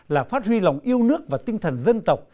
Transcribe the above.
là phát huy lòng yêu nước và tinh thần dân tộc